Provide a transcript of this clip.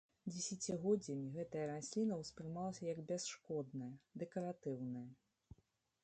Дзесяцігоддзямі гэтая расліна ўспрымалася як бясшкодная дэкаратыўная.